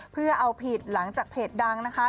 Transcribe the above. เพื่อเอาผิดหลังจากเพจดังนะคะ